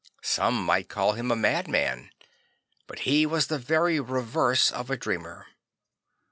Some might call him a madman, but he was the very reverse of a dreamer.